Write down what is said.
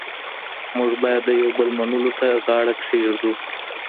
موږ بايد د يو بل منلو ته غاړه کېږدو.